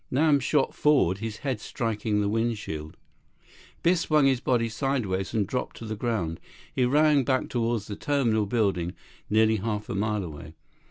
Nam shot forward, his head striking the windshield. Biff swung his body sideways, and dropped to the ground. He ran back toward the terminal building, nearly half a mile away.